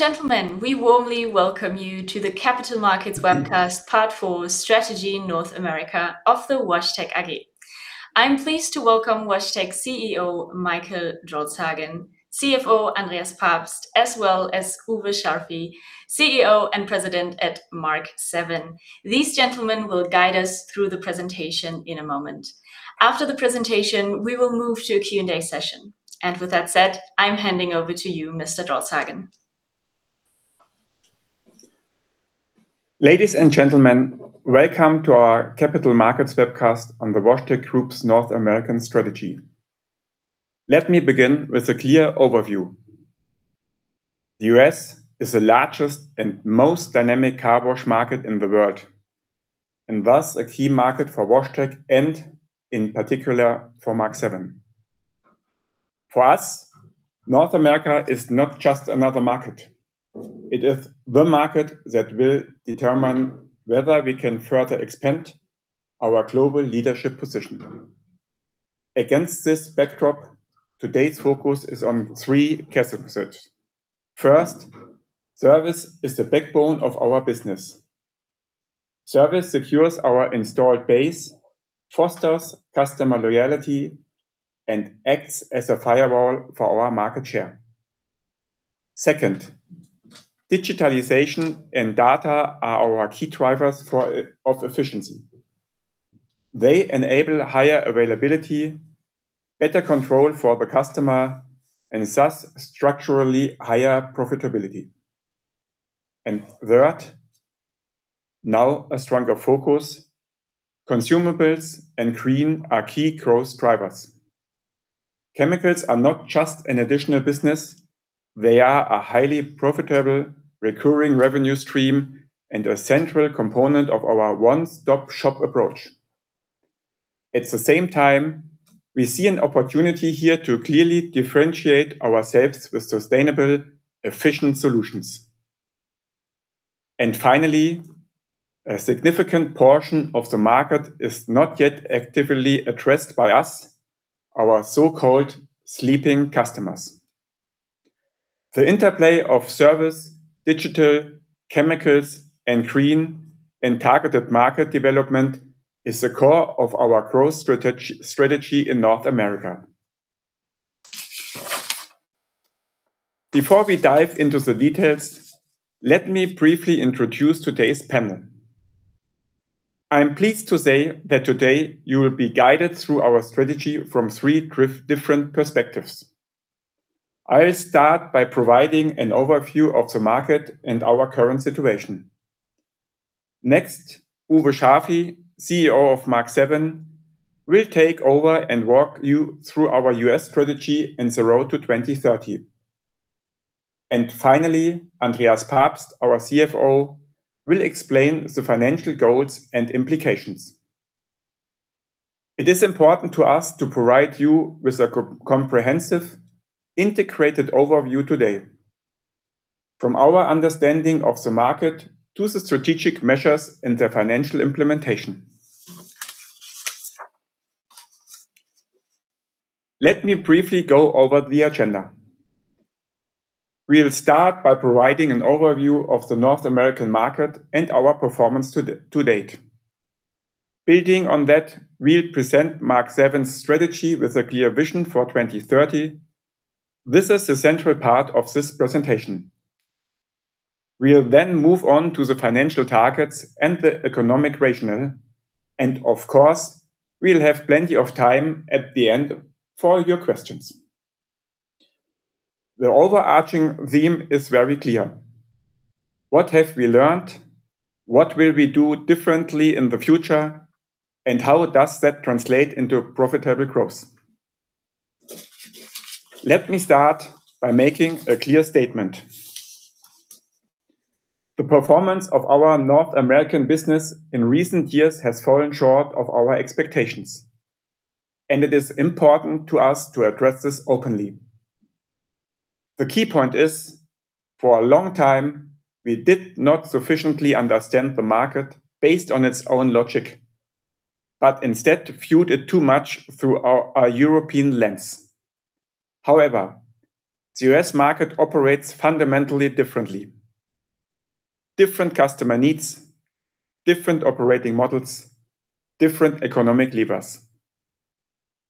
Ladies and gentlemen, we warmly welcome you to the Capital Markets Webcast, part four, strategy North America of the WashTec AG. I am pleased to welcome WashTec CEO, Michael Drolshagen, CFO, Andreas Pabst, as well as Uwe Scharfy, CEO and President at Mark VII. These gentlemen will guide us through the presentation in a moment. After the presentation, we will move to a Q&A session. With that said, I am handing over to you, Mr. Drolshagen. Ladies and gentlemen, welcome to our Capital Markets Webcast on the WashTec Group's North American strategy. Let me begin with a clear overview. The U.S. is the largest and most dynamic car wash market in the world, and thus a key market for WashTec, and in particular for Mark VII. For us, North America is not just another market. It is the market that will determine whether we can further expand our global leadership position. Against this backdrop, today's focus is on three key success. First, service is the backbone of our business. Service secures our installed base, fosters customer loyalty, and acts as a firewall for our market share. Second, digitalization and data are our key drivers of efficiency. They enable higher availability, better control for the customer, and thus structurally higher profitability. Third, now a stronger focus, consumables and clean are key growth drivers. Chemicals are not just an additional business, they are a highly profitable recurring revenue stream and a central component of our one-stop shop approach. At the same time, we see an opportunity here to clearly differentiate ourselves with sustainable, efficient solutions. Finally, a significant portion of the market is not yet actively addressed by us, our so-called sleeping customers. The interplay of service, digital, chemicals, and green and targeted market development is the core of our growth strategy in North America. Before we dive into the details, let me briefly introduce today's panel. I am pleased to say that today you will be guided through our strategy from three different perspectives. I will start by providing an overview of the market and our current situation. Next, Uwe Scharfy, CEO of Mark VII, will take over and walk you through our U.S. strategy and the road to 2030. Finally, Andreas Pabst, our CFO, will explain the financial goals and implications. It is important to us to provide you with a comprehensive, integrated overview today. From our understanding of the market to the strategic measures and their financial implementation. Let me briefly go over the agenda. We will start by providing an overview of the North American market and our performance to date. Building on that, we will present Mark VII's strategy with a clear vision for 2030. This is the central part of this presentation. We will then move on to the financial targets and the economic rationale, of course, we will have plenty of time at the end for your questions. The overarching theme is very clear. What have we learned? What will we do differently in the future? How does that translate into profitable growth? Let me start by making a clear statement. The performance of our North American business in recent years has fallen short of our expectations. It is important to us to address this openly. The key point is, for a long time, we did not sufficiently understand the market based on its own logic, but instead viewed it too much through our European lens. The U.S. market operates fundamentally differently. Different customer needs, different operating models, different economic levers.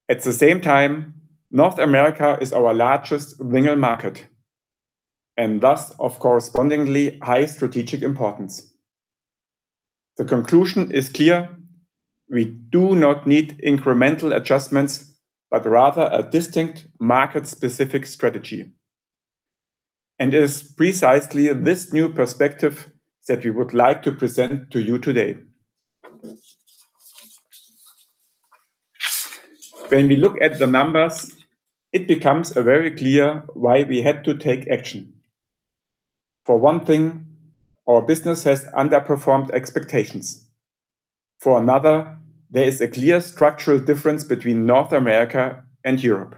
At the same time, North America is our largest single market, and thus of correspondingly high strategic importance. The conclusion is clear. We do not need incremental adjustments, but rather a distinct market-specific strategy. It is precisely this new perspective that we would like to present to you today. When we look at the numbers, it becomes very clear why we had to take action. For one thing, our business has underperformed expectations. For another, there is a clear structural difference between North America and Europe.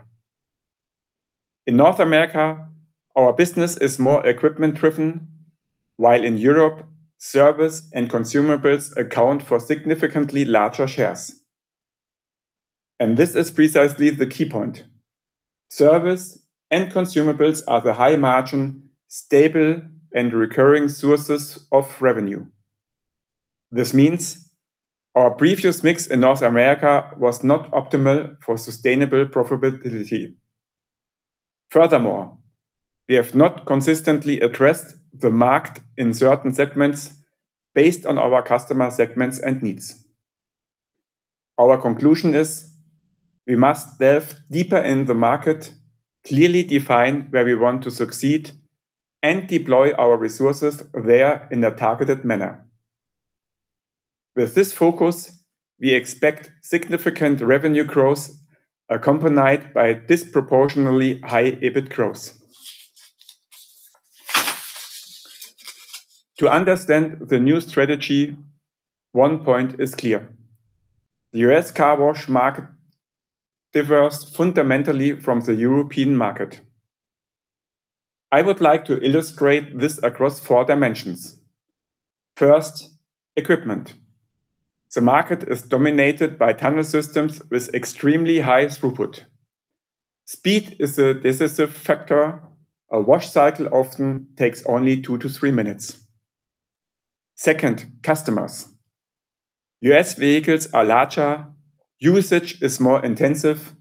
In North America, our business is more equipment-driven, while in Europe, service and consumables account for significantly larger shares. This is precisely the key point. Service and consumables are the high margin, stable, and recurring sources of revenue. This means our previous mix in North America was not optimal for sustainable profitability. Furthermore, we have not consistently addressed the market in certain segments based on our customer segments and needs. Our conclusion is we must delve deeper in the market, clearly define where we want to succeed, and deploy our resources there in a targeted manner. With this focus, we expect significant revenue growth accompanied by disproportionately high EBIT growth. To understand the new strategy, one point is clear. The U.S. car wash market differs fundamentally from the European market. I would like to illustrate this across four dimensions. First, equipment. The market is dominated by tunnel systems with extremely high throughput. Speed is a decisive factor. A wash cycle often takes only two to three minutes. Second, customers. U.S. vehicles are larger, usage is more intensive,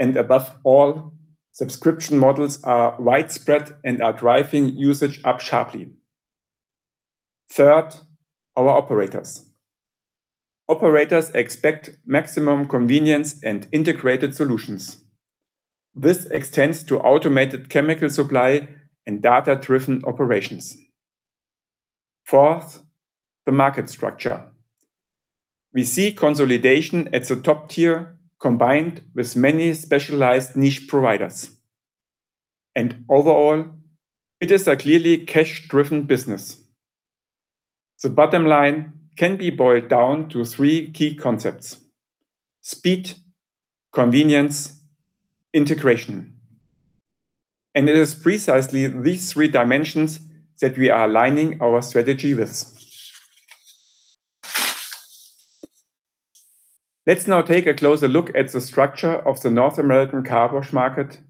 and above all, subscription models are widespread and are driving usage up sharply. Third, our operators. Operators expect maximum convenience and integrated solutions. This extends to automated chemical supply and data-driven operations. Fourth, the market structure. We see consolidation at the top tier combined with many specialized niche providers. Overall, it is a clearly cash-driven business. The bottom line can be boiled down to three key concepts: speed, convenience, integration. It is precisely these three dimensions that we are aligning our strategy with. Let's now take a closer look at the structure of the North American car wash market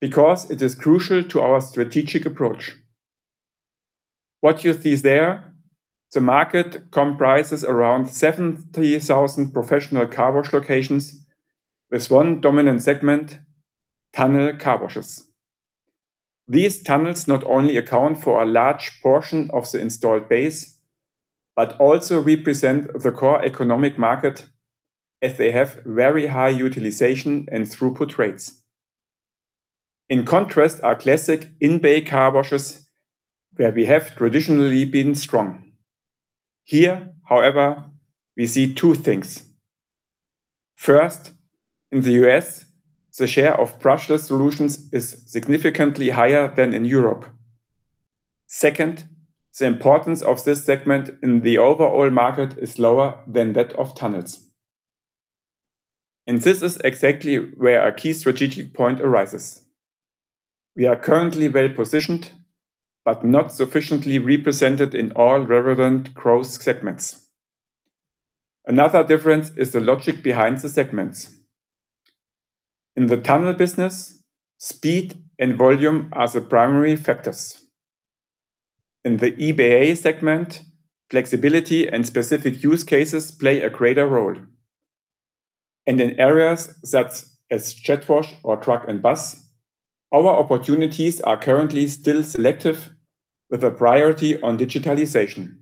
because it is crucial to our strategic approach. What you see is there, the market comprises around 70,000 professional car wash locations with one dominant segment, tunnel car washes. These tunnels not only account for a large portion of the installed base, but also represent the core economic market if they have very high utilization and throughput rates. In contrast are classic in-bay car washes, where we have traditionally been strong. Here, however, we see two things. First, in the U.S., the share of brushless solutions is significantly higher than in Europe. Second, the importance of this segment in the overall market is lower than that of tunnels. This is exactly where our key strategic point arises. We are currently well-positioned, but not sufficiently represented in all relevant growth segments. Another difference is the logic behind the segments. In the tunnel business, speed and volume are the primary factors. In the IBA segment, flexibility and specific use cases play a greater role. In areas such as JetWash or truck and bus, our opportunities are currently still selective with a priority on digitalization.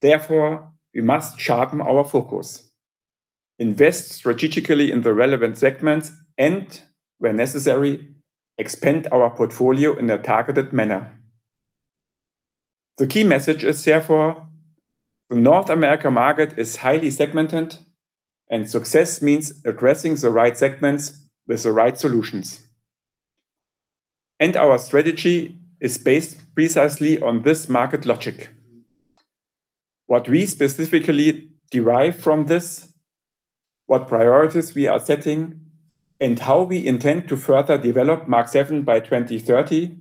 Therefore, we must sharpen our focus, invest strategically in the relevant segments, and where necessary, expand our portfolio in a targeted manner. The key message is therefore, the North America market is highly segmented, and success means addressing the right segments with the right solutions. Our strategy is based precisely on this market logic. What we specifically derive from this, what priorities we are setting, and how we intend to further develop Mark VII by 2030,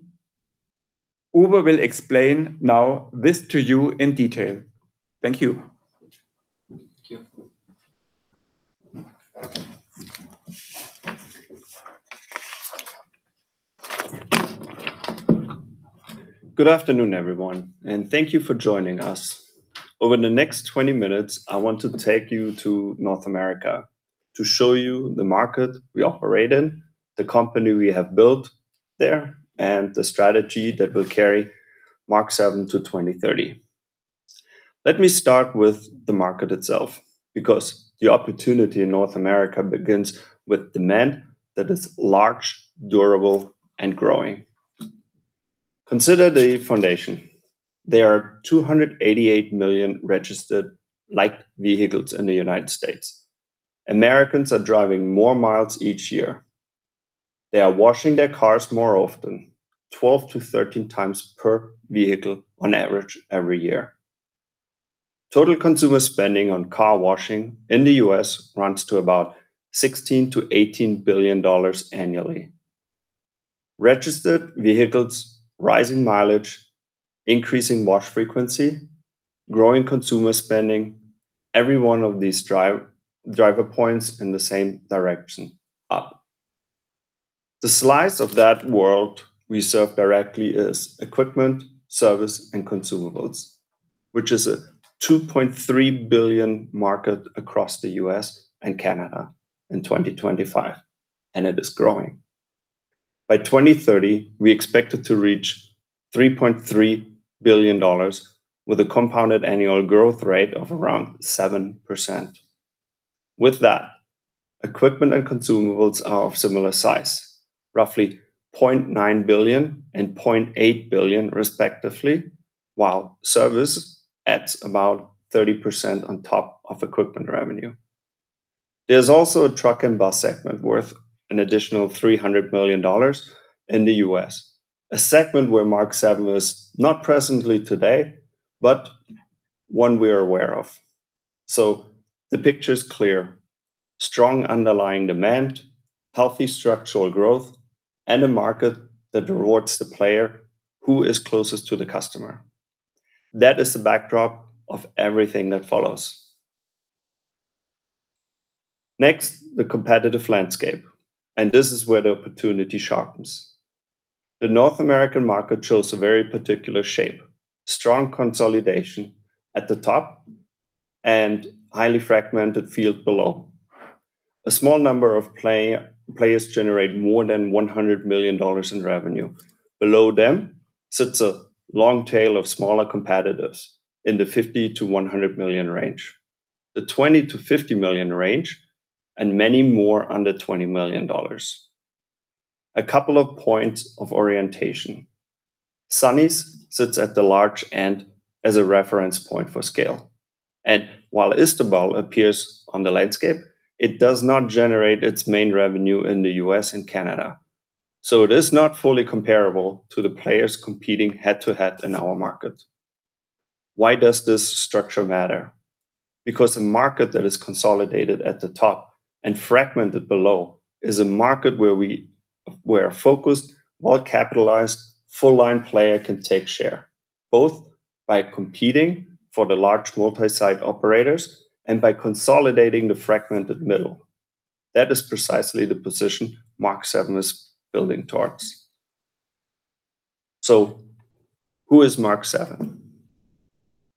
Uwe will explain now this to you in detail. Thank you. Thank you. Good afternoon, everyone, and thank you for joining us. Over the next 20 minutes, I want to take you to North America to show you the market we operate in, the company we have built there, and the strategy that will carry Mark VII to 2030. Let me start with the market itself, because the opportunity in North America begins with demand that is large, durable and growing. Consider the foundation. There are 288 million registered light vehicles in the U.S. Americans are driving more miles each year. They are washing their cars more often, 12 to 13 times per vehicle on average every year. Total consumer spending on car washing in the U.S. runs to about $16 billion-$18 billion annually. Registered vehicles, rising mileage, increasing wash frequency, growing consumer spending, every one of these driver points in the same direction, up. The slice of that world we serve directly is equipment, service, and consumables, which is a $2.3 billion market across the U.S. and Canada in 2025, and it is growing. By 2030, we expect it to reach $3.3 billion with a compounded annual growth rate of around 7%. With that, equipment and consumables are of similar size, roughly $0.9 billion and $0.8 billion respectively, while service adds about 30% on top of equipment revenue. There's also a truck and bus segment worth an additional $300 million in the U.S., a segment where Mark VII is not presently today, but one we are aware of. So the picture's clear. Strong underlying demand, healthy structural growth, and a market that rewards the player who is closest to the customer. That is the backdrop of everything that follows. Next, the competitive landscape, and this is where the opportunity sharpens. The North American market shows a very particular shape. Strong consolidation at the top and highly fragmented field below. A small number of players generate more than $100 million in revenue. Below them sits a long tail of smaller competitors in the $50 million-$100 million range, the $20 million-$50 million range, and many more under $20 million. A couple of points of orientation. Sonny's sits at the large end as a reference point for scale. While Istobal appears on the landscape, it does not generate its main revenue in the U.S. and Canada, so it is not fully comparable to the players competing head-to-head in our market. Why does this structure matter? A market that is consolidated at the top and fragmented below is a market where a focused, well-capitalized, full-line player can take share, both by competing for the large multi-site operators and by consolidating the fragmented middle. That is precisely the position Mark VII is building towards. Who is Mark VII?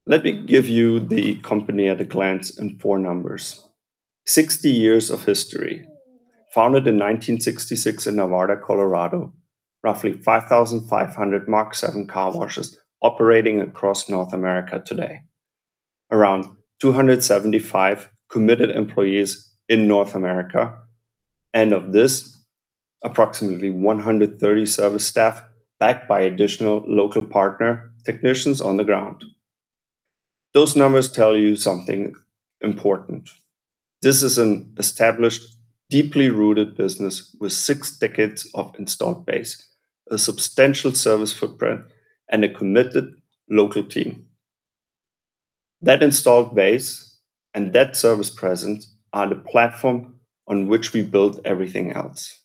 Let me give you the company at a glance in four numbers. 60 years of history, founded in 1966 in Arvada, Colorado. Roughly 5,500 Mark VII car washes operating across North America today. Around 275 committed employees in North America, and of this, approximately 130 service staff backed by additional local partner technicians on the ground. Those numbers tell you something important. This is an established, deeply rooted business with six decades of installed base, a substantial service footprint, and a committed local team. That installed base and that service presence are the platform on which we build everything else.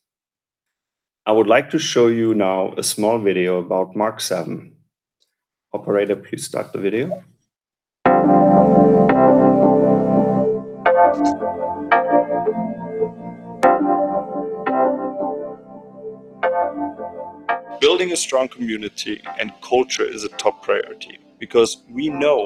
I would like to show you now a small video about Mark VII. Operator, please start the video. Building a strong community and culture is a top priority because we know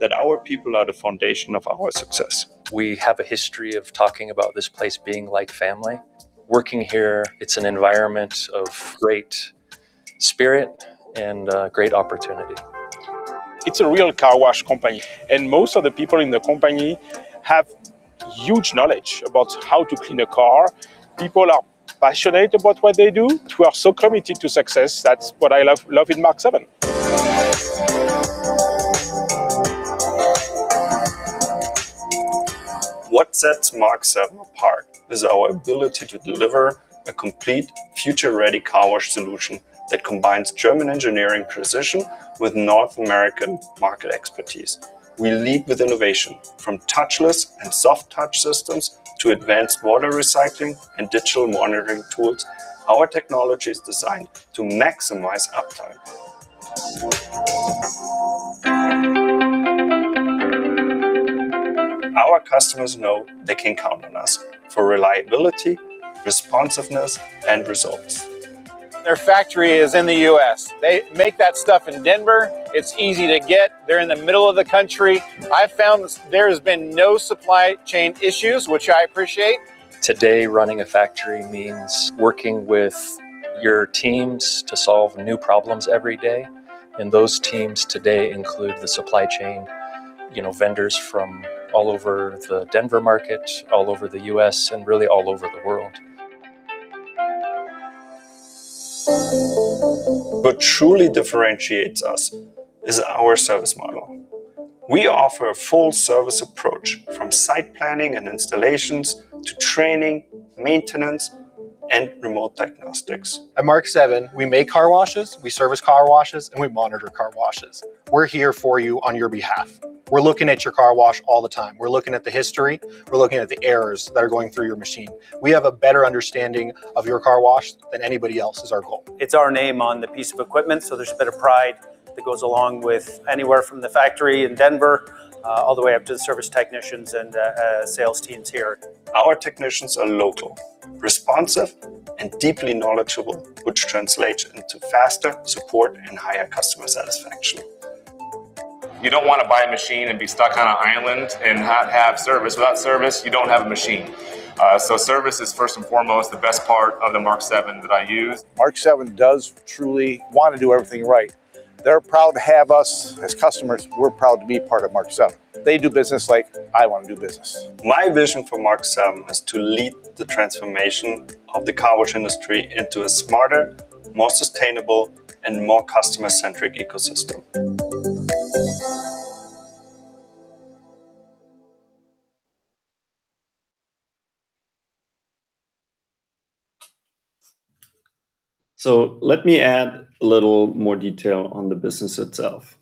that our people are the foundation of our success. We have a history of talking about this place being like family. Working here, it's an environment of great spirit and great opportunity. It's a real car wash company. Most of the people in the company have huge knowledge about how to clean a car. People are passionate about what they do, who are so committed to success. That's what I love in Mark VII. What sets Mark VII apart is our ability to deliver a complete future-ready car wash solution that combines German engineering precision with North American market expertise. We lead with innovation from touchless and soft touch systems to advanced water recycling and digital monitoring tools. Our technology is designed to maximize uptime. Our customers know they can count on us for reliability, responsiveness, and results. Their factory is in the U.S. They make that stuff in Denver. It's easy to get. They're in the middle of the country. I found there has been no supply chain issues, which I appreciate. Today, running a factory means working with your teams to solve new problems every day. Those teams today include the supply chain, vendors from all over the Denver market, all over the U.S., and really all over the world. What truly differentiates us is our service model. We offer a full-service approach from site planning and installations to training, maintenance and remote diagnostics. At Mark VII, we make car washes, we service car washes, and we monitor car washes. We're here for you on your behalf. We're looking at your car wash all the time. We're looking at the history. We're looking at the errors that are going through your machine. We have a better understanding of your car wash than anybody else is our goal. It's our name on the piece of equipment, there's a bit of pride that goes along with anywhere from the factory in Denver, all the way up to the service technicians and sales teams here. Our technicians are local, responsive, and deeply knowledgeable, which translates into faster support and higher customer satisfaction. You don't want to buy a machine and be stuck on an island and not have service. Without service, you don't have a machine. Service is first and foremost the best part of the Mark VII that I use. Mark VII does truly want to do everything right. They're proud to have us as customers. We're proud to be part of Mark VII. They do business like I want to do business. My vision for Mark VII is to lead the transformation of the car wash industry into a smarter, more sustainable, and more customer-centric ecosystem. Let me add a little more detail on the business itself.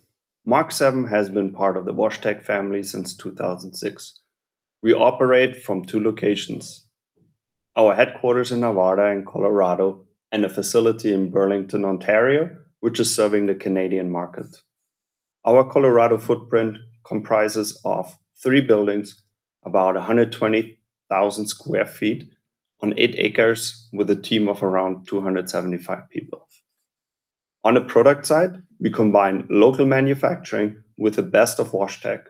Mark VII has been part of the WashTec family since 2006. We operate from two locations, our headquarters in Arvada in Colorado, and a facility in Burlington, Ontario, which is serving the Canadian market. Our Colorado footprint comprises of three buildings, about 120,000 sq ft on eight acres, with a team of around 275 people. On the product side, we combine local manufacturing with the best of WashTec.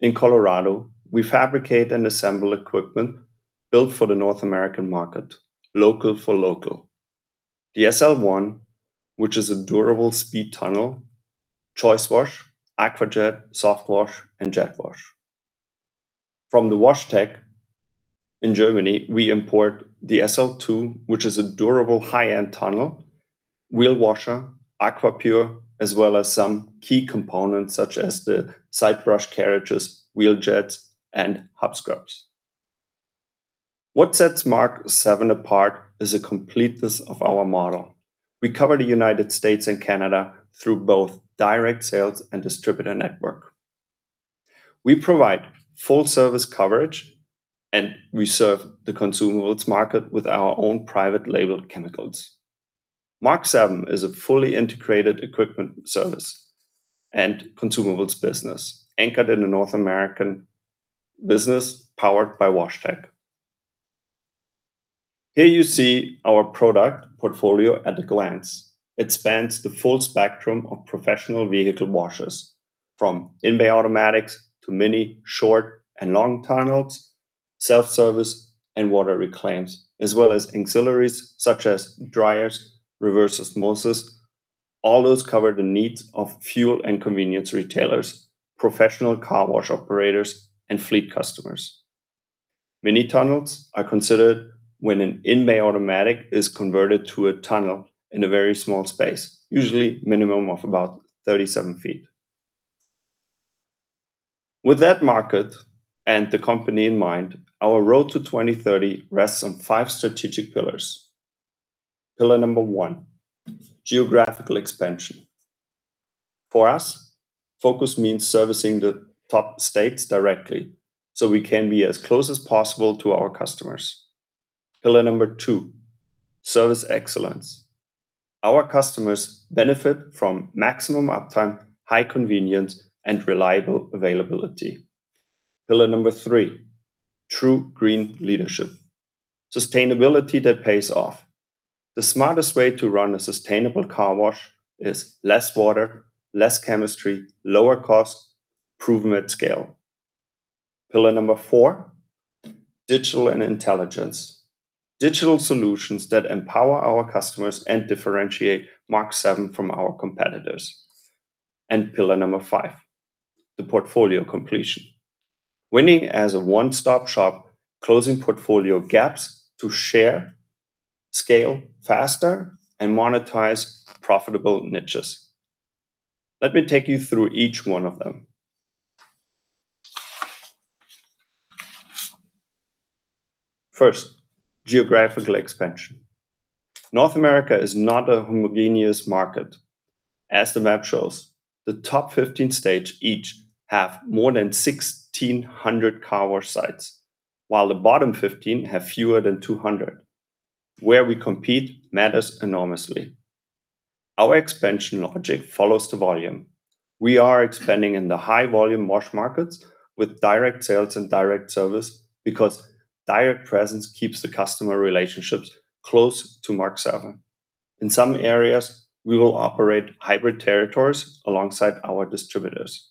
In Colorado, we fabricate and assemble equipment built for the North American market, local for local. The SL-1, which is a durable speed tunnel, ChoiceWash, AquaJet, SoftWash, and JetWash. From the WashTec in Germany, we import the SL-2, which is a durable high-end tunnel, WheelWashers, AquaPure, as well as some key components such as the side brush carriages, WheelJets, and hub scrubs. What sets Mark VII apart is the completeness of our model. We cover the United States and Canada through both direct sales and distributor network. We provide full service coverage, and we serve the consumables market with our own private labeled chemicals. Mark VII is a fully integrated equipment service and consumables business anchored in the North American business powered by WashTec. Here you see our product portfolio at a glance. It spans the full spectrum of professional vehicle washes, from in-bay automatics to mini tunnels, short, and long tunnels, self-service, and water reclaims, as well as auxiliaries such as dryers, reverse osmosis. All those cover the needs of fuel and convenience retailers, professional car wash operators, and fleet customers. Mini tunnels are considered when an in-bay automatic is converted to a tunnel in a very small space, usually minimum of about 37 feet. With that market and the company in mind, our road to 2030 rests on five strategic pillars. Pillar number one, geographical expansion. For us, focus means servicing the top states directly so we can be as close as possible to our customers. Pillar number two, service excellence. Our customers benefit from maximum uptime, high convenience, and reliable availability. Pillar number three, True Green leadership. Sustainability that pays off. The smartest way to run a sustainable car wash is less water, less chemistry, lower cost, proven at scale. Pillar number four, digital and intelligence. Digital solutions that empower our customers and differentiate Mark VII from our competitors. Pillar number five, the portfolio completion. Winning as a one-stop shop, closing portfolio gaps to share, scale faster, and monetize profitable niches. Let me take you through each one of them. First, geographical expansion. North America is not a homogeneous market. As the map shows, the top 15 states each have more than 1,600 car wash sites, while the bottom 15 have fewer than 200. Where we compete matters enormously. Our expansion logic follows the volume. We are expanding in the high-volume wash markets with direct sales and direct service because direct presence keeps the customer relationships close to Mark VII. In some areas, we will operate hybrid territories alongside our distributors.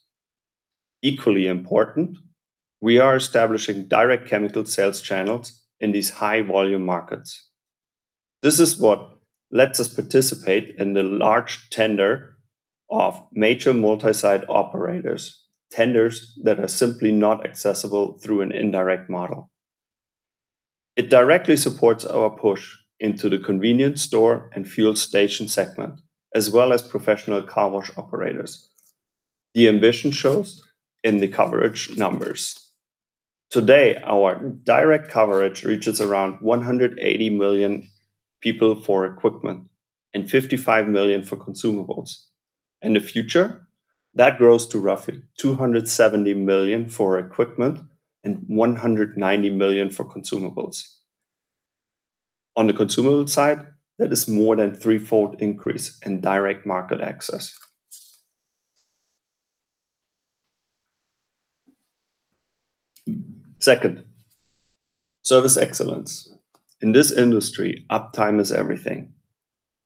Equally important, we are establishing direct chemical sales channels in these high-volume markets. This is what lets us participate in the large tender of major multi-site operators, tenders that are simply not accessible through an indirect model. It directly supports our push into the convenience store and fuel station segment, as well as professional car wash operators. The ambition shows in the coverage numbers. Today, our direct coverage reaches around 180 million people for equipment and 55 million for consumables. In the future, that grows to roughly 270 million for equipment and 190 million for consumables. On the consumable side, that is more than threefold increase in direct market access. Second, service excellence. In this industry, uptime is everything.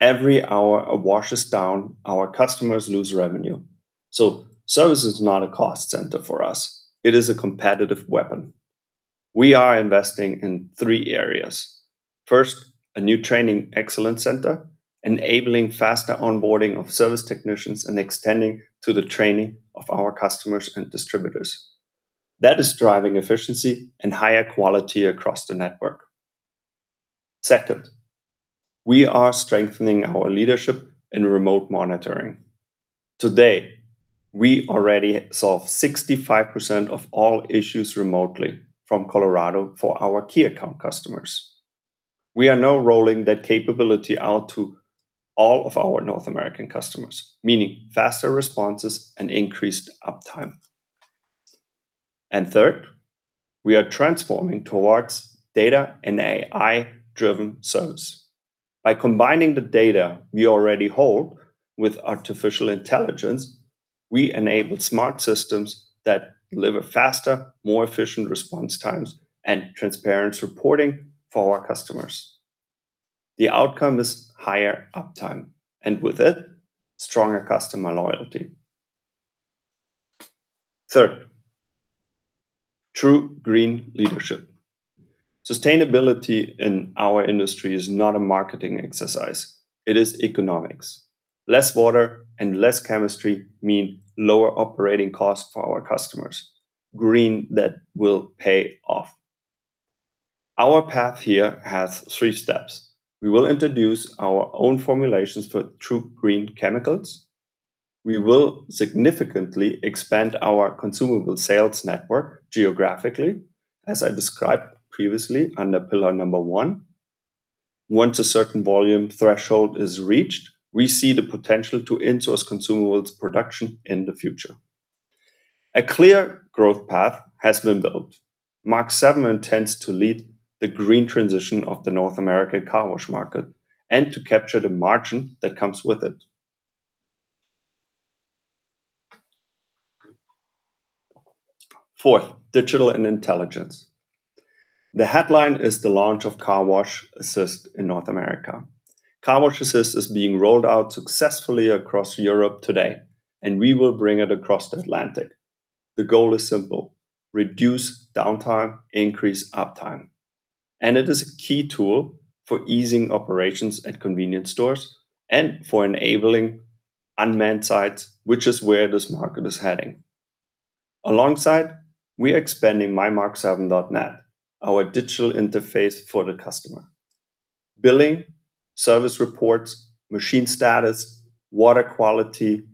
Every hour a wash is down, our customers lose revenue. Service is not a cost center for us. It is a competitive weapon. We are investing in three areas. First, a new training excellence center, enabling faster onboarding of service technicians and extending to the training of our customers and distributors. That is driving efficiency and higher quality across the network. Second, we are strengthening our leadership in remote monitoring. Today, we already solve 65% of all issues remotely from Colorado for our key account customers. We are now rolling that capability out to all of our North American customers, meaning faster responses and increased uptime. Third, we are transforming towards data and AI-driven service. By combining the data we already hold with artificial intelligence, we enable smart systems that deliver faster, more efficient response times and transparent reporting for our customers. The outcome is higher uptime, and with it, stronger customer loyalty. Third, True Green leadership. Sustainability in our industry is not a marketing exercise. It is economics. Less water and less chemistry mean lower operating costs for our customers. Green that will pay off. Our path here has three steps. We will introduce our own formulations for True Green chemicals. We will significantly expand our consumable sales network geographically, as I described previously under pillar number one. Once a certain volume threshold is reached, we see the potential to insource consumables production in the future. A clear growth path has been built. Mark VII intends to lead the green transition of the North American car wash market and to capture the margin that comes with it. Fourth, digital and intelligence. The headline is the launch of Car Wash Assistant in North America. Car Wash Assistant is being rolled out successfully across Europe today, and we will bring it across the Atlantic. The goal is simple, reduce downtime, increase uptime. It is a key tool for easing operations at convenience stores and for enabling unmanned sites, which is where this market is heading. Alongside, we are expanding mymarkvii.net, our digital interface for the customer. Billing, service reports, machine status, water quality,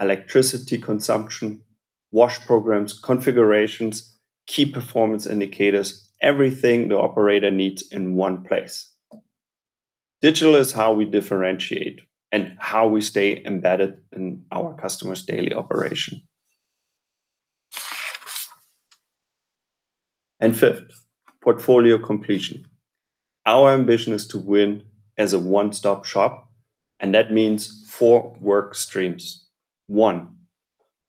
electricity consumption, wash programs, configurations, key performance indicators, everything the operator needs in one place. Digital is how we differentiate and how we stay embedded in our customers' daily operation. Fifth, portfolio completion. Our ambition is to win as a one-stop shop, and that means four work streams. One,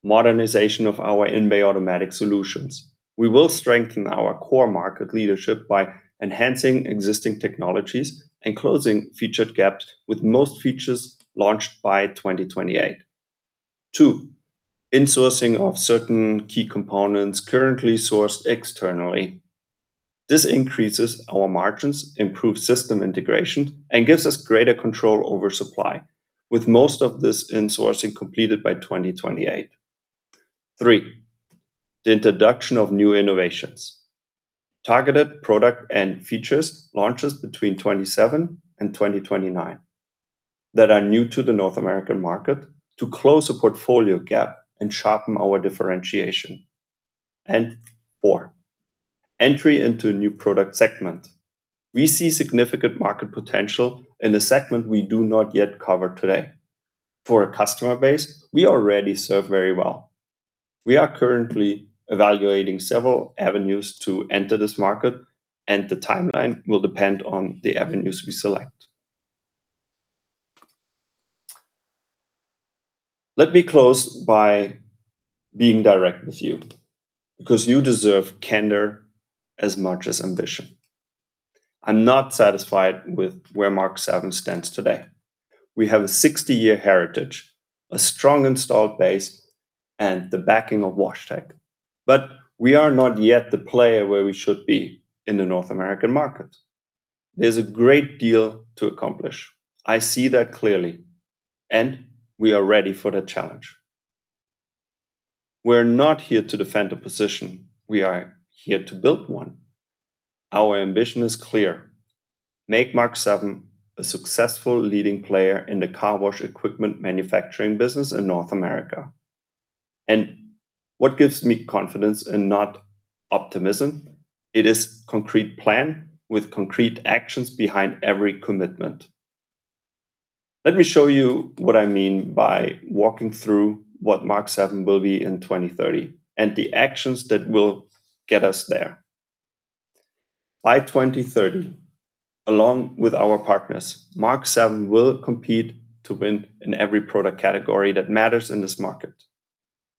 modernization of our in-bay automatic solutions. We will strengthen our core market leadership by enhancing existing technologies and closing featured gaps with most features launched by 2028. Two, insourcing of certain key components currently sourced externally. This increases our margins, improves system integration, and gives us greater control over supply, with most of this insourcing completed by 2028. Three, the introduction of new innovations. Targeted product and features launches between 2027 and 2029 that are new to the North American market to close a portfolio gap and sharpen our differentiation. Four, entry into a new product segment. We see significant market potential in the segment we do not yet cover today for a customer base we already serve very well. We are currently evaluating several avenues to enter this market, and the timeline will depend on the avenues we select. Let me close by being direct with you, because you deserve candor as much as ambition. I'm not satisfied with where Mark VII stands today. We have a 60-year heritage, a strong installed base, and the backing of WashTec. We are not yet the player where we should be in the North American market. There's a great deal to accomplish. I see that clearly, and we are ready for the challenge. We're not here to defend a position. We are here to build one. Our ambition is clear: Make Mark VII a successful leading player in the car wash equipment manufacturing business in North America. What gives me confidence and not optimism, it is concrete plan with concrete actions behind every commitment. Let me show you what I mean by walking through what Mark VII will be in 2030 and the actions that will get us there. By 2030, along with our partners, Mark VII will compete to win in every product category that matters in this market.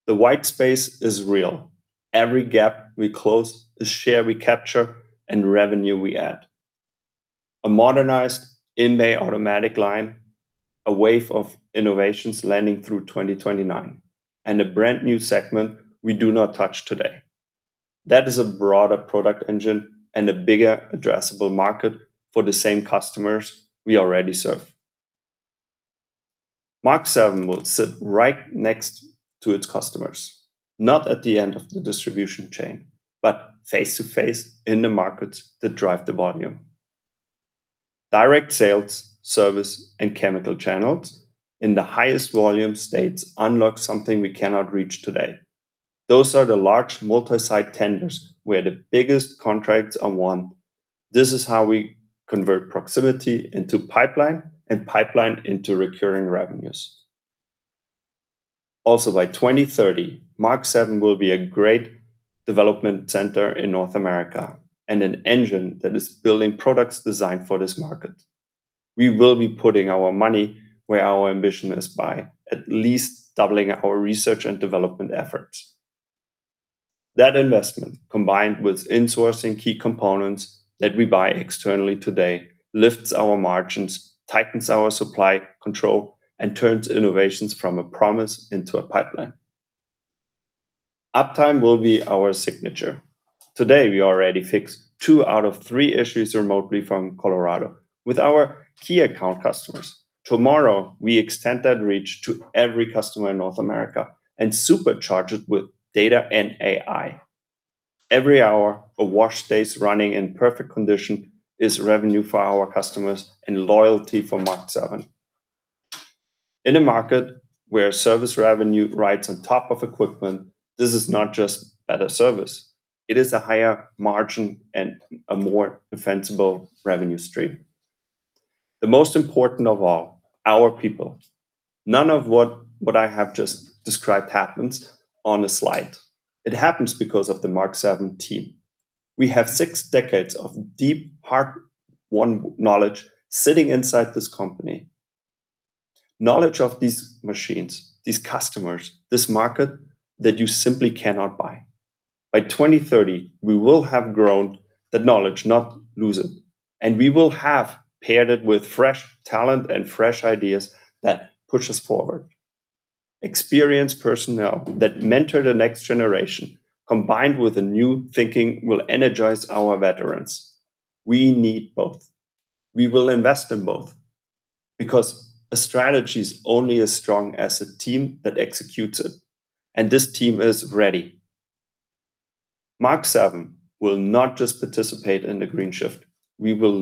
The white space is real. Every gap we close is share we capture and revenue we add. A modernized in-bay automatic line, a wave of innovations landing through 2029, and a brand new segment we do not touch today. That is a broader product engine and a bigger addressable market for the same customers we already serve. Mark VII will sit right next to its customers, not at the end of the distribution chain, but face-to-face in the markets that drive the volume. Direct sales, service, and chemical channels in the highest volume states unlock something we cannot reach today. Those are the large multi-site tenders where the biggest contracts are won. This is how we convert proximity into pipeline and pipeline into recurring revenues. Also by 2030, Mark VII will be a great development center in North America and an engine that is building products designed for this market. We will be putting our money where our ambition is by at least doubling our R&D efforts. That investment, combined with insourcing key components that we buy externally today, lifts our margins, tightens our supply control, and turns innovations from a promise into a pipeline. Uptime will be our signature. Today, we already fix two out of three issues remotely from Colorado with our key account customers. Tomorrow, we extend that reach to every customer in North America and supercharge it with data and AI. Every hour a wash stays running in perfect condition is revenue for our customers and loyalty for Mark VII. In a market where service revenue rides on top of equipment, this is not just better service. It is a higher margin and a more defensible revenue stream. The most important of all, our people. None of what I have just described happens on a slide. It happens because of the Mark VII team. We have six decades of deep part one knowledge sitting inside this company. Knowledge of these machines, these customers, this market that you simply cannot buy. By 2030, we will have grown that knowledge, not lose it, and we will have paired it with fresh talent and fresh ideas that push us forward. Experienced personnel that mentor the next generation, combined with the new thinking, will energize our veterans. We need both. We will invest in both, because a strategy is only as strong as the team that executes it, and this team is ready. Mark VII will not just participate in the green shift, we will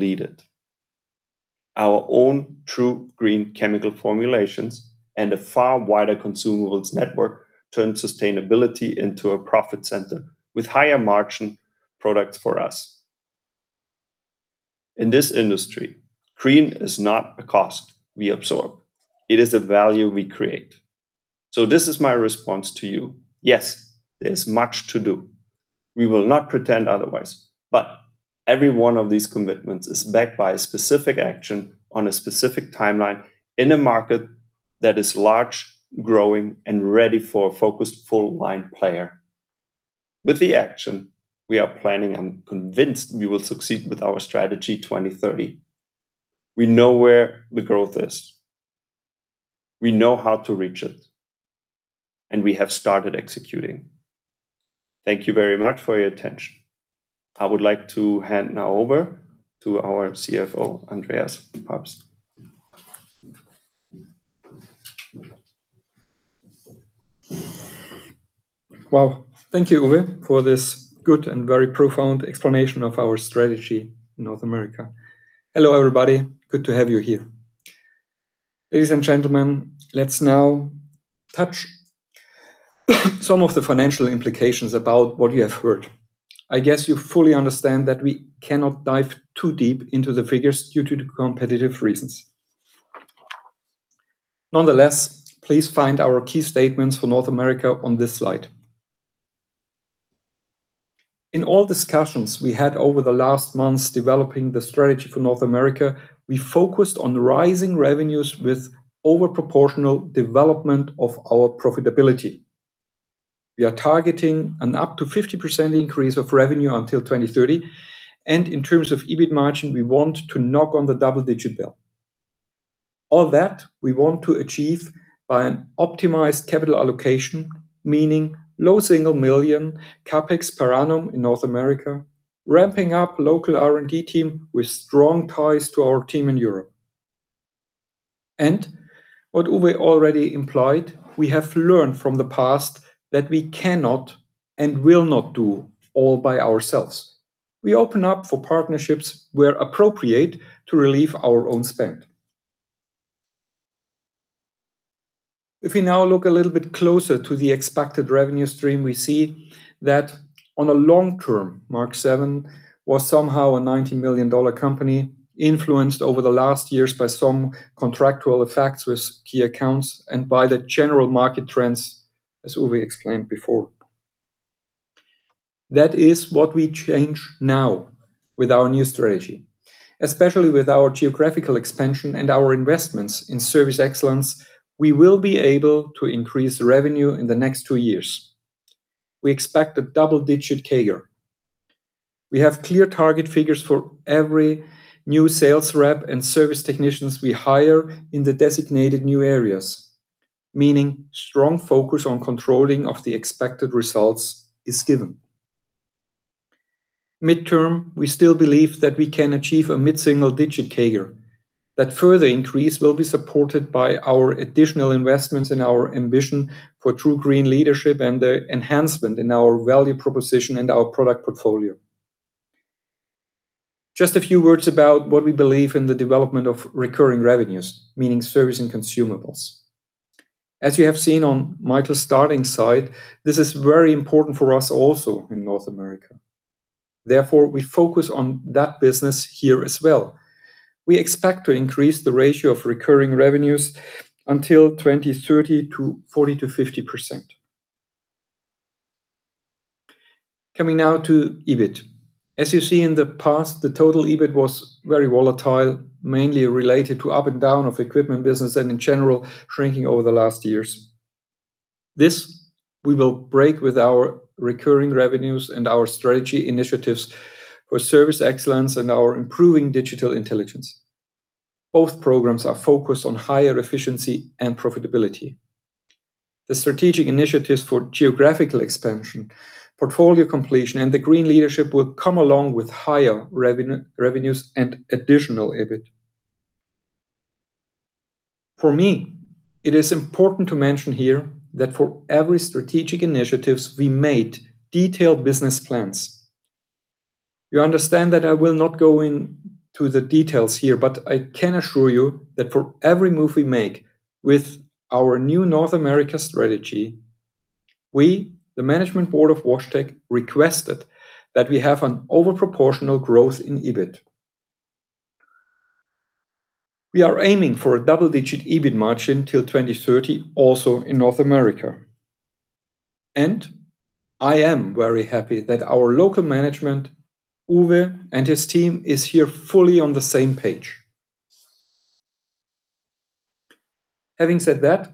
lead it. Our own True Green chemical formulations and a far wider consumables network turn sustainability into a profit center with higher margin products for us. In this industry, green is not a cost we absorb. It is a value we create. This is my response to you. Yes, there's much to do. We will not pretend otherwise, every one of these commitments is backed by a specific action on a specific timeline in a market that is large, growing, and ready for a focused full-line player. With the action we are planning, I'm convinced we will succeed with our strategy 2030. We know where the growth is. We know how to reach it, we have started executing. Thank you very much for your attention. I would like to hand now over to our CFO, Andreas Pabst. Well, thank you, Uwe, for this good and very profound explanation of our strategy in North America. Hello, everybody. Good to have you here. Ladies and gentlemen, let's now touch some of the financial implications about what you have heard. I guess you fully understand that we cannot dive too deep into the figures due to the competitive reasons. Nonetheless, please find our key statements for North America on this slide. In all discussions we had over the last months developing the strategy for North America, we focused on rising revenues with over proportional development of our profitability. We are targeting an up to 50% increase of revenue until 2030, and in terms of EBIT margin, we want to knock on the double-digit bill. All that we want to achieve by an optimized capital allocation, meaning low single million CapEx per annum in North America, ramping up local R&D team with strong ties to our team in Europe. What Uwe already implied, we have learned from the past that we cannot and will not do all by ourselves. We open up for partnerships where appropriate to relieve our own spend. If we now look a little bit closer to the expected revenue stream, we see that on a long term, Mark VII was somehow a EUR 90 million company, influenced over the last years by some contractual effects with key accounts and by the general market trends, as Uwe explained before. That is what we change now with our new strategy. Especially with our geographical expansion and our investments in service excellence, we will be able to increase revenue in the next two years. We expect a double-digit CAGR. We have clear target figures for every new sales rep and service technicians we hire in the designated new areas, meaning strong focus on controlling of the expected results is given. Midterm, we still believe that we can achieve a mid-single digit CAGR. That further increase will be supported by our additional investments in our ambition for True Green leadership and the enhancement in our value proposition and our product portfolio. Just a few words about what we believe in the development of recurring revenues, meaning service and consumables. As you have seen on Michael's starting side, this is very important for us also in North America. We focus on that business here as well. We expect to increase the ratio of recurring revenues until 2030 to 40%-50%. Coming now to EBIT. As you see in the past, the total EBIT was very volatile, mainly related to up and down of equipment business and in general, shrinking over the last years. This we will break with our recurring revenues and our strategy initiatives for service excellence and our improving digital intelligence. Both programs are focused on higher efficiency and profitability. The strategic initiatives for geographical expansion, portfolio completion, and the green leadership will come along with higher revenues and additional EBIT. For me, it is important to mention here that for every strategic initiative, we made detailed business plans. You understand that I will not go into the details here, but I can assure you that for every move we make with our new North America strategy, we, the management board of WashTec, requested that we have an over proportional growth in EBIT. We are aiming for a double-digit EBIT margin till 2030, also in North America. I am very happy that our local management, Uwe and his team, is here fully on the same page. Having said that,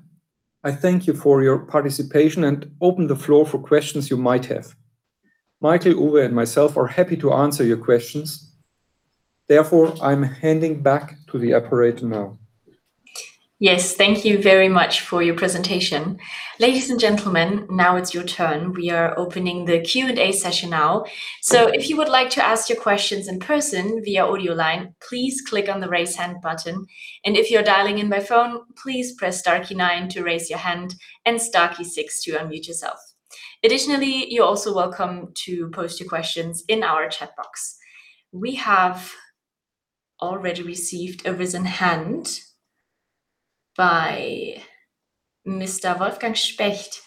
I thank you for your participation and open the floor for questions you might have. Michael, Uwe, and myself are happy to answer your questions. I'm handing back to the operator now. Yes, thank you very much for your presentation. Ladies and gentlemen, now it's your turn. We are opening the Q&A session now. If you would like to ask your questions in person via audio line, please click on the Raise Hand button. If you're dialing in by phone, please press star key nine to raise your hand and star key six to unmute yourself. Additionally, you're also welcome to post your questions in our chat box. We have already received a risen hand by Mr. Wolfgang Specht.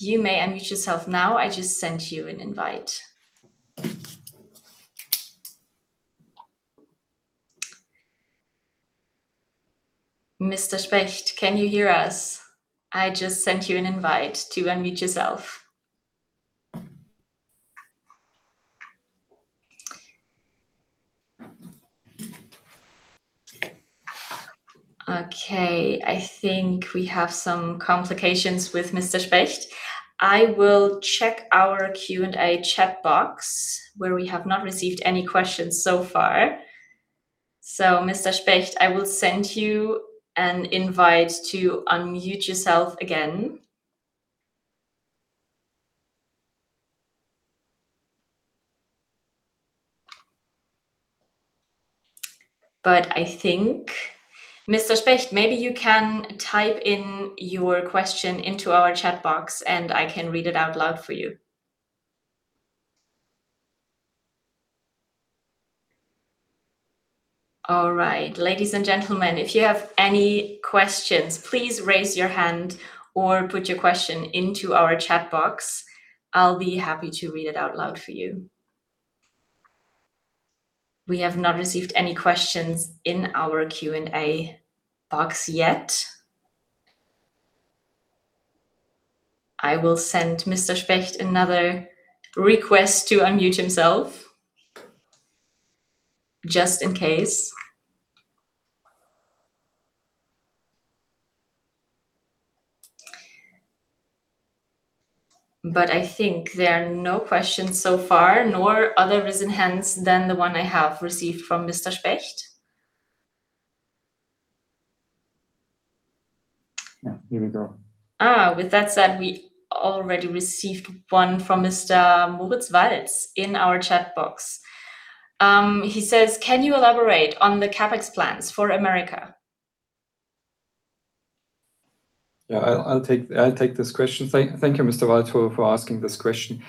You may unmute yourself now. I just sent you an invite. Mr. Specht, can you hear us? I just sent you an invite to unmute yourself. I think we have some complications with Mr. Wolfgang Specht. I will check our Q&A chat box where we have not received any questions so far. Mr. Wolfgang Specht, I will send you an invite to unmute yourself again. I think, Mr. Wolfgang Specht, maybe you can type in your question into our chat box and I can read it out loud for you. All right. Ladies and gentlemen, if you have any questions, please raise your hand or put your question into our chat box. I'll be happy to read it out loud for you. We have not received any questions in our Q&A box yet. I will send Mr. Wolfgang Specht another request to unmute himself, just in case. I think there are no questions so far, nor other risen hands than the one I have received from Mr. Wolfgang Specht. Here we go. With that said, we already received one from Mr. Moritz Walz in our chat box. He says, "Can you elaborate on the CapEx plans for America? Yeah, I'll take this question. Thank you, Mr. Walz, for asking this question.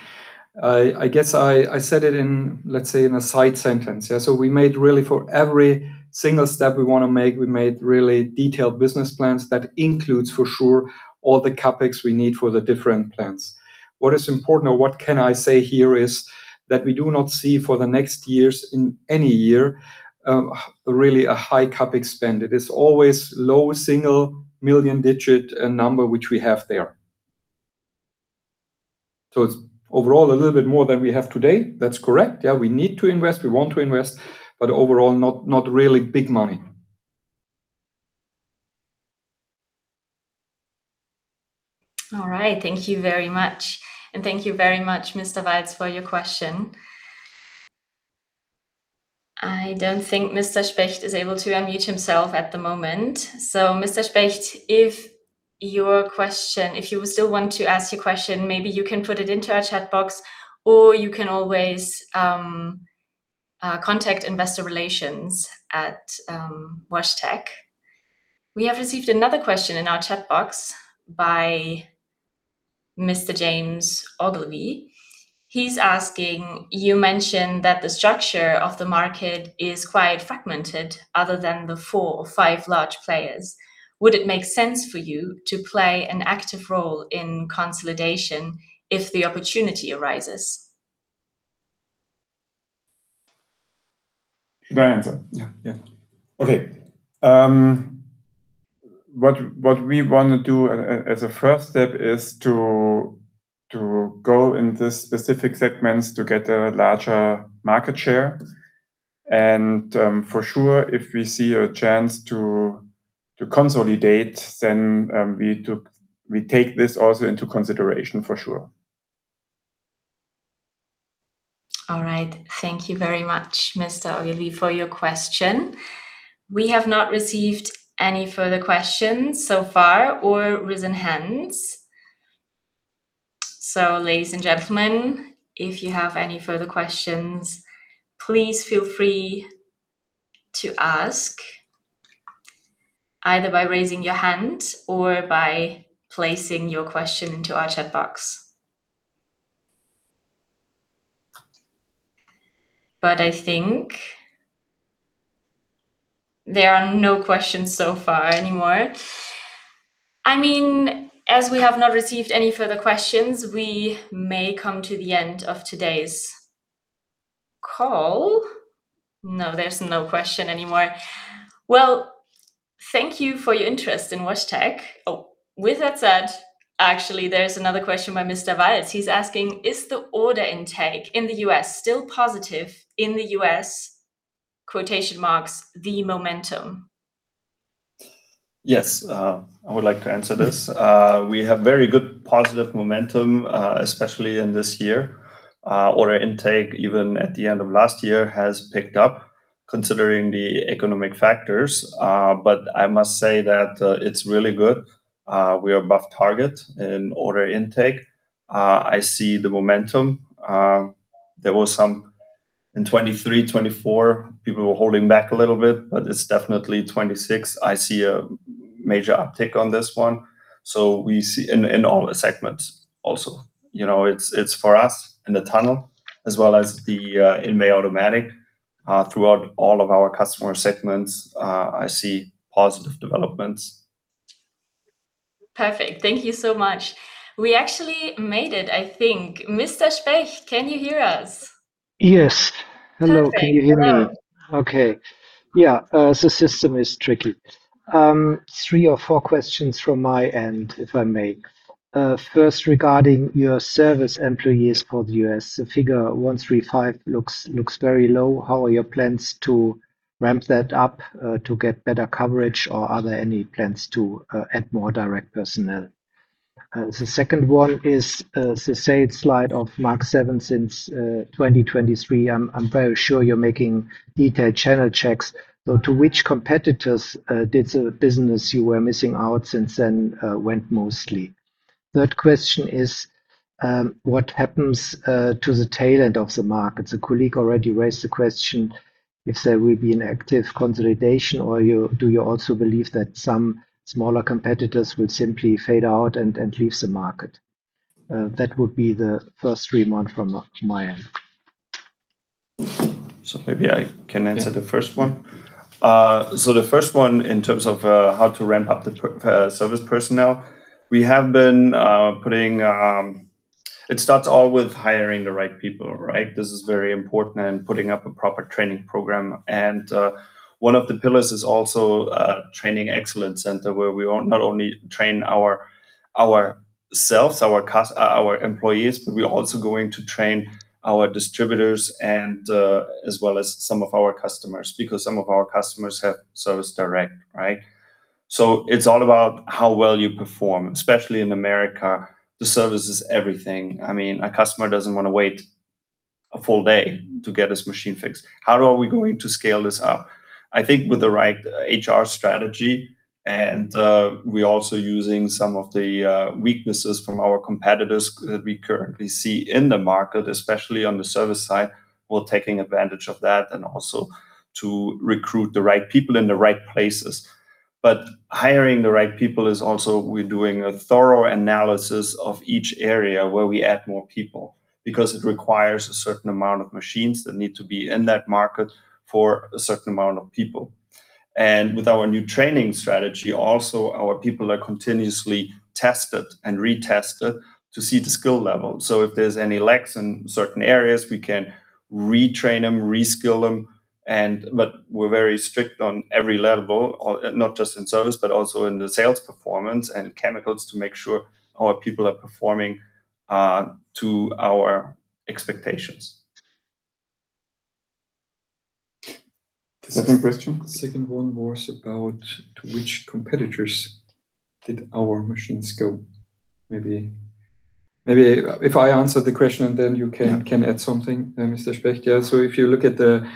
I guess I said it in, let's say, in a side sentence. Yeah, so we made really for every single step we want to make, we made really detailed business plans that includes, for sure, all the CapEx we need for the different plans. What is important, or what can I say here is, that we do not see for the next years, in any year, really a high CapEx spend. It is always a low single-digit million EUR number which we have there. It's overall a little bit more than we have today. That's correct. Yeah, we need to invest, we want to invest, but overall, not really big money. All right. Thank you very much, and thank you very much, Mr. Walz, for your question. I don't think Mr. Specht is able to unmute himself at the moment. Mr. Specht, if you still want to ask your question, maybe you can put it into our chat box, or you can always contact investor relations at WashTec. We have received another question in our chat box by Mr. James Ogilvy. He's asking, "You mentioned that the structure of the market is quite fragmented other than the four or five large players. Would it make sense for you to play an active role in consolidation if the opportunity arises? Should I answer? Yeah. Okay. What we want to do as a first step is to go into specific segments to get a larger market share. For sure, if we see a chance to consolidate, then we take this also into consideration, for sure. Thank you very much, Mr. Ogilvy, for your question. We have not received any further questions so far or risen hands. Ladies and gentlemen, if you have any further questions, please feel free to ask either by raising your hand or by placing your question into our chat box. I think there are no questions so far anymore. As we have not received any further questions, we may come to the end of today's call. No, there's no question anymore. Thank you for your interest in WashTec. With that said, actually, there's another question by Mr. Walz. He's asking, "Is the order intake in the U.S. still positive in the U.S., the momentum? Yes. I would like to answer this. We have very good positive momentum, especially in this year. Order intake, even at the end of last year, has picked up considering the economic factors. I must say that it's really good. We are above target in order intake. I see the momentum. There was some in 2023, 2024, people were holding back a little bit, it's definitely 2026, I see a major uptick on this one, in all the segments also. It's for us in the tunnel as well as the in-bay automatic. Throughout all of our customer segments, I see positive developments. Perfect. Thank you so much. We actually made it, I think. Mr. Specht, can you hear us? Yes. Perfect. Hello. Can you hear me? Okay. The system is tricky. Three or four questions from my end, if I may. First, regarding your service employees for the U.S., the figure 135 looks very low. How are your plans to ramp that up, to get better coverage, or are there any plans to add more direct personnel? The second one is the same slide of Mark VII since 2023. I'm very sure you're making detailed channel checks. To which competitors did the business you were missing out since then went mostly? Third question is, what happens to the tail end of the market? A colleague already raised the question if there will be an active consolidation. Do you also believe that some smaller competitors will simply fade out and leave the market? That would be the first three from my end. Maybe I can answer the first one. The first one, in terms of how to ramp up the service personnel, it starts all with hiring the right people, right? This is very important and putting up a proper training program. One of the pillars is also a training excellence center where we not only train ourselves, our employees, but we're also going to train our distributors and as well as some of our customers, because some of our customers have service direct, right? It's all about how well you perform, especially in America, the service is everything. A customer doesn't want to wait a full day to get this machine fixed. How are we going to scale this up? I think with the right HR strategy, and we're also using some of the weaknesses from our competitors that we currently see in the market, especially on the service side, we're taking advantage of that, and also to recruit the right people in the right places. Hiring the right people is also, we're doing a thorough analysis of each area where we add more people, because it requires a certain amount of machines that need to be in that market for a certain amount of people. With our new training strategy, also, our people are continuously tested and retested to see the skill level. If there's any lacks in certain areas, we can retrain them, reskill them, but we're very strict on every level, not just in service, but also in the sales performance and chemicals to make sure our people are performing to our expectations. Second question? The second one was about to which competitors did our machines go? Maybe if I answer the question and then you can add something, Mr. Specht. If you look at the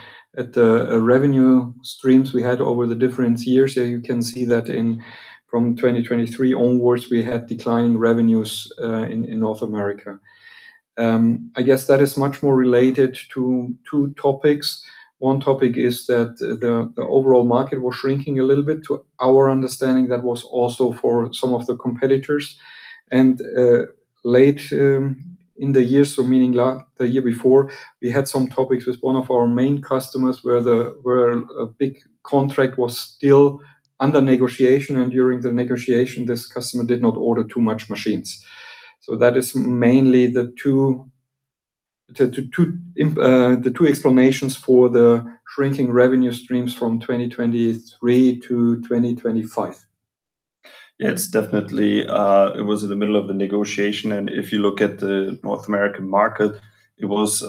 revenue streams we had over the different years there, you can see that from 2023 onwards, we had declining revenues in North America. I guess that is much more related to two topics. One topic is that the overall market was shrinking a little bit. To our understanding, that was also for some of the competitors. Late in the year, meaning the year before, we had some topics with one of our main customers where a big contract was still under negotiation, and during the negotiation, this customer did not order too much machines. That is mainly the two explanations for the shrinking revenue streams from 2023 to 2025. Yes, definitely, it was in the middle of the negotiation. If you look at the North American market, it was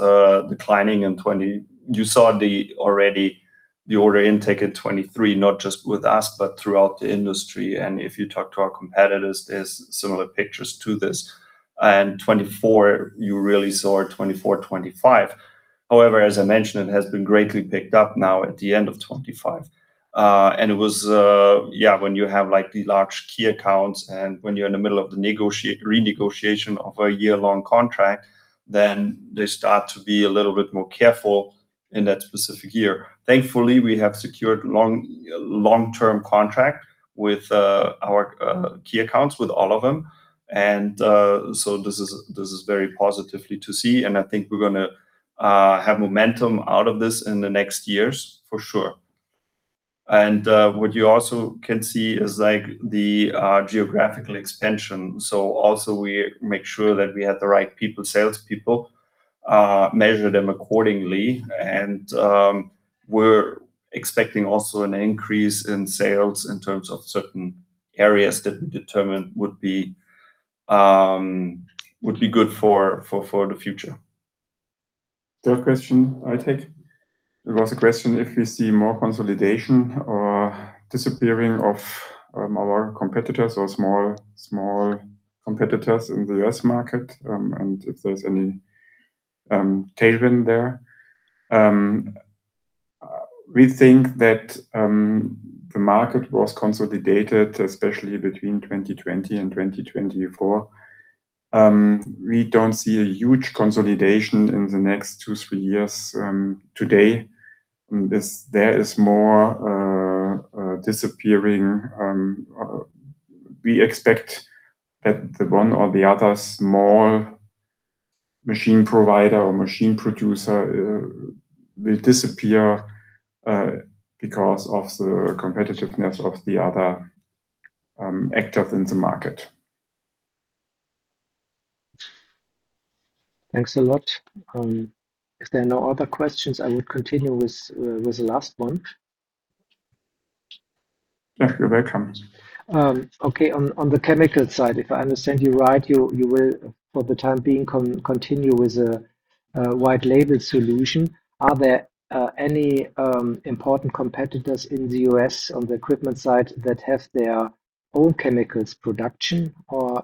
declining in 2020. You saw already the order intake at 2023, not just with us, but throughout the industry. If you talk to our competitors, there's similar pictures to this. 2024, you really saw 2024, 2025. However, as I mentioned, it has been greatly picked up now at the end of 2025. It was when you have the large key accounts and when you're in the middle of the renegotiation of a year-long contract, then they start to be a little bit more careful in that specific year. Thankfully, we have secured long-term contract with our key accounts, with all of them. This is very positively to see. I think we're going to have momentum out of this in the next years, for sure. What you also can see is the geographical expansion. Also we make sure that we have the right people, salespeople, measure them accordingly. We're expecting also an increase in sales in terms of certain areas that we determined would be good for the future. Third question, I take. It was a question if we see more consolidation or disappearing of our competitors or small competitors in the U.S. market, if there's any tailwind there. We think that the market was consolidated, especially between 2020 and 2024. We don't see a huge consolidation in the next two, three years. Today, there is more disappearing. We expect that the one or the other small machine provider or machine producer will disappear because of the competitiveness of the other actors in the market. Thanks a lot. If there are no other questions, I will continue with the last one. Yeah, you're welcome. Okay. On the chemical side, if I understand you right, you will, for the time being, continue with a white label solution. Are there any important competitors in the U.S. on the equipment side that have their own chemicals production, or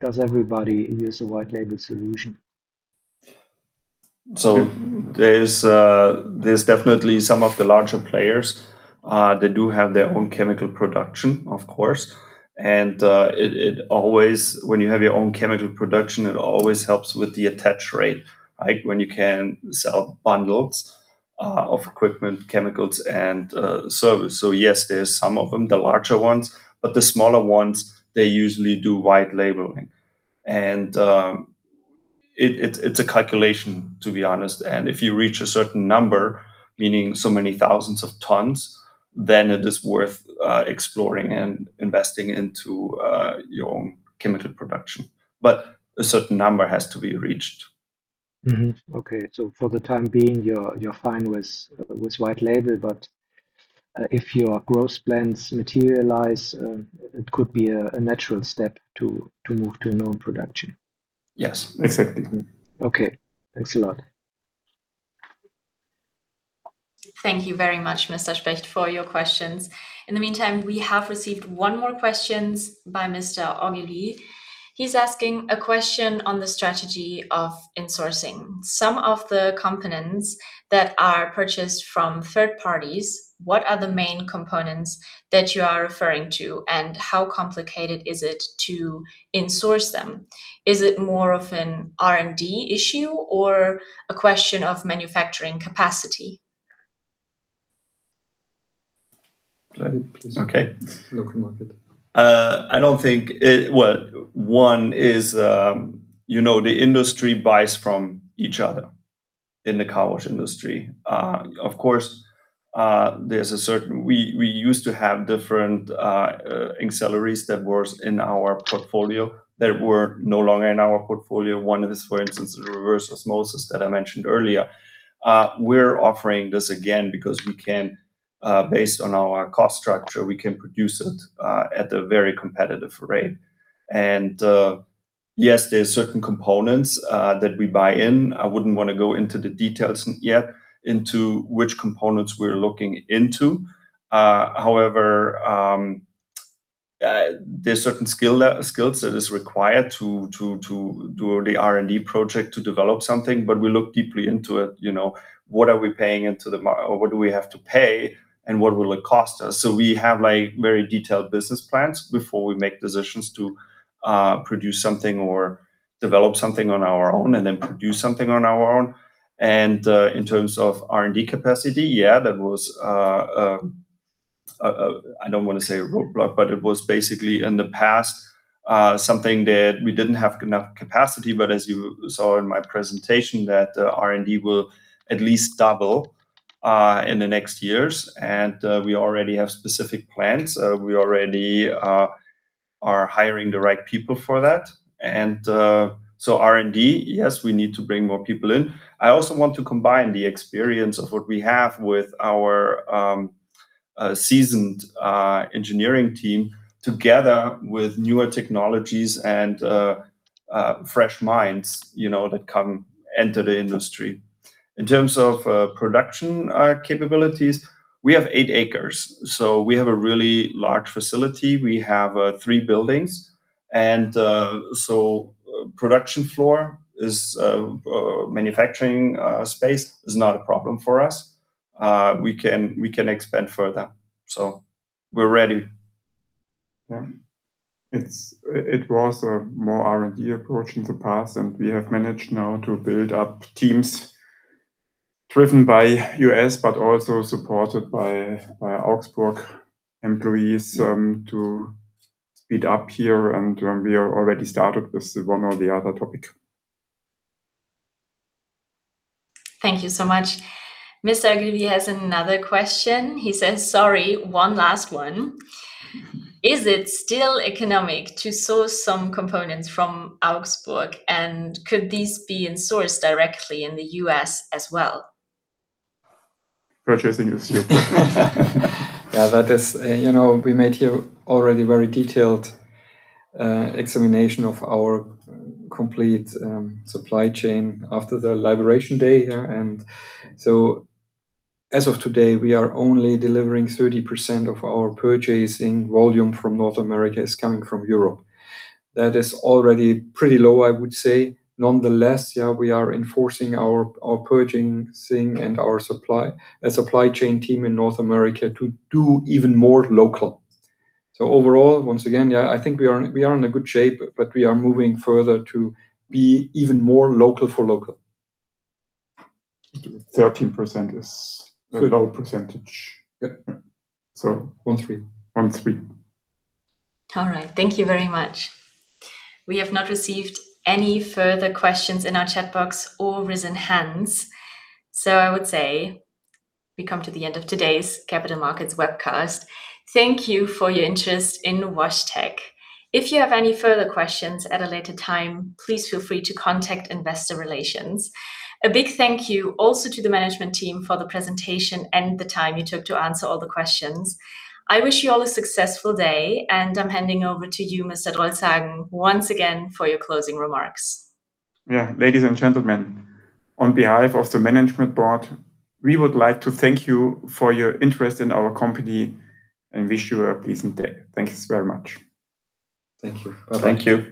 does everybody use a white label solution? There's definitely some of the larger players. They do have their own chemical production, of course. When you have your own chemical production, it always helps with the attach rate, when you can sell bundles of equipment, chemicals, and service. Yes, there's some of them, the larger ones, but the smaller ones, they usually do white labeling. It's a calculation, to be honest. If you reach a certain number, meaning so many thousands of tons, then it is worth exploring and investing into your own chemical production. A certain number has to be reached. Okay, for the time being, you're fine with white label, but if your growth plans materialize, it could be a natural step to move to your own production. Yes, exactly. Okay. Thanks a lot. Thank you very much, Mr. Specht, for your questions. In the meantime, we have received one more question by Mr. Ogilvy. He's asking a question on the strategy of insourcing. Some of the components that are purchased from third parties, what are the main components that you are referring to, and how complicated is it to insource them? Is it more of an R&D issue or a question of manufacturing capacity? Go ahead, please. Okay. Local market. One is the industry buys from each other in the car wash industry. Of course, we used to have different accelerators that were in our portfolio that were no longer in our portfolio. One is, for instance, the reverse osmosis that I mentioned earlier. We're offering this again because based on our cost structure, we can produce it at a very competitive rate. Yes, there are certain components that we buy in. I wouldn't want to go into the details yet into which components we're looking into. However, there's certain skills that is required to do the R&D project to develop something, but we look deeply into it. What are we paying into the market, or what do we have to pay, and what will it cost us? We have very detailed business plans before we make decisions to produce something or develop something on our own and then produce something on our own. In terms of R&D capacity, yeah, that was, I don't want to say a roadblock, but it was basically in the past, something that we didn't have enough capacity, but as you saw in my presentation, that R&D will at least double in the next years. We already have specific plans. We already are hiring the right people for that. R&D, yes, we need to bring more people in. I also want to combine the experience of what we have with our seasoned engineering team together with newer technologies and fresh minds that enter the industry. In terms of production capabilities, we have eight acres, so we have a really large facility. We have three buildings, manufacturing space is not a problem for us. We can expand further. We're ready. It was a more R&D approach in the past, we have managed now to build up teams driven by U.S., but also supported by Augsburg employees to speed up here, we are already started with one or the other topic. Thank you so much. Mr. Ogilvy has another question. He says, "Sorry, one last one. Is it still economic to source some components from Augsburg, could these be insourced directly in the U.S. as well? Purchasing is you. We made here already very detailed examination of our complete supply chain after the liberation day here, as of today, we are only delivering 30% of our purchasing volume from North America is coming from Europe. That is already pretty low, I would say. Nonetheless, we are enforcing our purchasing and our supply chain team in North America to do even more local. Overall, once again, I think we are in a good shape, we are moving further to be even more local for local. 13% is a low percentage. Yep. One three. One three. All right. Thank you very much. I would say we come to the end of today's Capital Markets Webcast. Thank you for your interest in WashTec. If you have any further questions at a later time, please feel free to contact investor relations. A big thank you also to the management team for the presentation and the time you took to answer all the questions. I wish you all a successful day. I'm handing over to you, Mr. Drolshagen, once again for your closing remarks. Ladies and gentlemen, on behalf of the management board, we would like to thank you for your interest in our company and wish you a pleasant day. Thanks very much. Thank you. Bye-bye. Thank you.